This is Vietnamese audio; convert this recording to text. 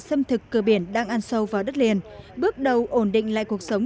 xâm thực cờ biển đang ăn sâu vào đất liền bước đầu ổn định lại cuộc sống